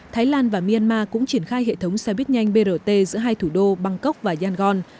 thái lan và myanmar cũng triển khai hệ thống xe buýt nhanh brt giữa hai thủ đô bangkok và yangon